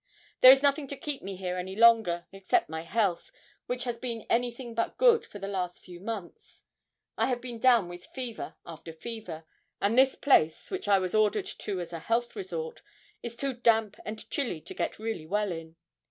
There is nothing to keep me here any longer except my health, which has been anything but good for the last few months. I have been down with fever after fever; and this place, which I was ordered to as a health resort, is too damp and chilly to get really well in.